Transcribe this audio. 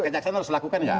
kejaksaan harus dilakukan gak